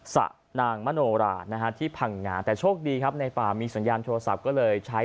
สะนางมโนรานะฮะที่พังงาแต่โชคดีครับในป่ามีสัญญาณโทรศัพท์ก็เลยใช้